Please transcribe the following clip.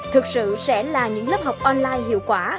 thực sự sẽ là những lớp học online hiệu quả